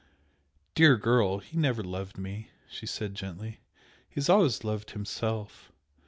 "Dear girl, he never loved me!" she said, gently "He has always loved himself.